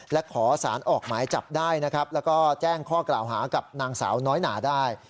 และขอสารออกหมายจับได้นะครับแล้วก็แจ้งข้อกล่าวหากับนางสาวน้อยหนาได้